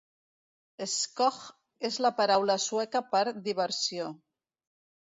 "Skoj" és la paraula sueca per diversió.